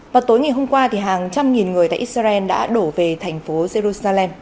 và tối ngày hôm qua hàng trăm nghìn người tại israel đã đổ về thành phố jerusalem